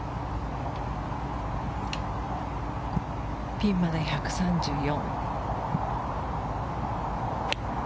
ピンまで１３４。